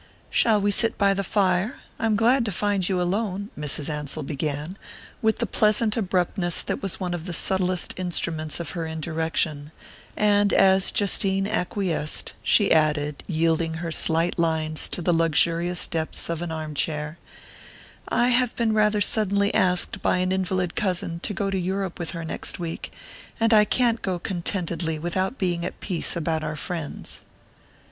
"Shall we sit by the fire? I am glad to find you alone," Mrs. Ansell began, with the pleasant abruptness that was one of the subtlest instruments of her indirection; and as Justine acquiesced, she added, yielding her slight lines to the luxurious depths of an arm chair: "I have been rather suddenly asked by an invalid cousin to go to Europe with her next week, and I can't go contentedly without being at peace about our friends."